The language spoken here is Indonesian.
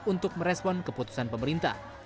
untuk merespon keputusan pemerintah